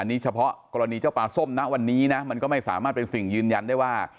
อันนี้เฉพาะกรณีเจ้าปลาส้มนะวันนี้นะมันก็ไม่สามารถเป็นสิ่งยืนยันได้ว่า